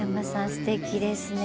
すてきですね。